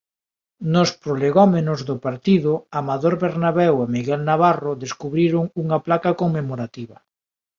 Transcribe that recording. Nos prolegómenos do partido Amador Bernabéu e Miguel Navarro descubriron unha placa conmemorativa.